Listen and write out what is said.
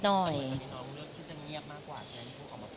แต่เหมือนตอนนี้น้องเลือกที่จะเงียบมากกว่าใช่ไหมที่พูดออกมาพูด